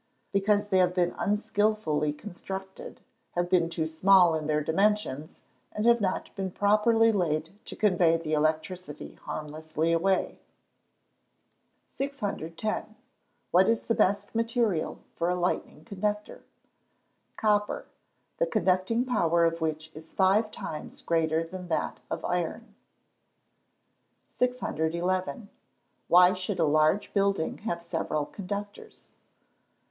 _ Because they have been unskilfully constructed; have been too small in their dimensions, and have not been properly laid to convey the electricity harmlessly away. 610. What is the best metal for a lightning conductor? Copper, the conducting power of which is five times greater than that of iron. 611. _Why should a large building have several conductors?